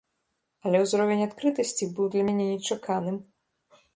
Але ўзровень адкрытасці быў для мяне нечаканым.